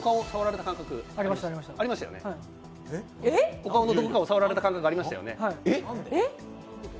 お顔のどこかを触られた感覚、ありましたよね。